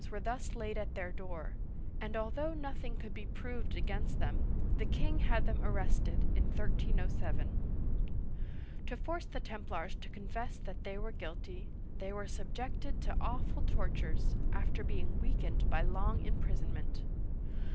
(1285 1314) 143 were thus laid at their door, and although nothing could be proved against them, the king had them arrested in 1307. To force the Templars to confess that they were guilty, they were subjected to awful tortures, after being weakened by long imprisonment.